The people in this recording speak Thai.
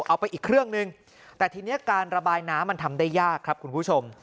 เอาไปอีกเครื่องนึงแต่ทีนี้การระบายน้ำมันทำได้ยากครับคุณผู้ชม